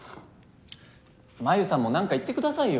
真夢さんもなんか言ってくださいよ。